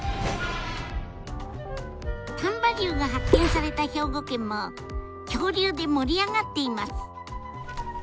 丹波竜が発見された兵庫県も恐竜で盛り上がっています。